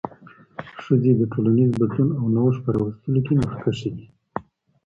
ښځې د ټولنیز بدلون او نوښت په راوستلو کي مخکښې دي